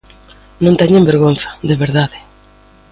Non teñen vergonza, de verdade.